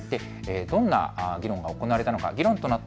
どんな議論が行われたのか